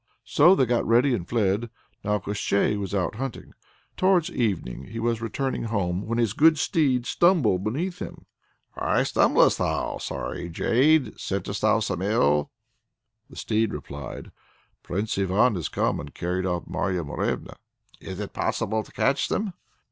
So they got ready and fled. Now Koshchei was out hunting. Towards evening he was returning home, when his good steed stumbled beneath him. "Why stumblest thou, sorry jade? scentest thou some ill?" The steed replied: "Prince Ivan has come and carried off Marya Morevna." "Is it possible to catch them?"